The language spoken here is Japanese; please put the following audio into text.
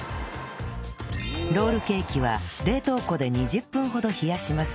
ロールケーキは冷凍庫で２０分ほど冷やします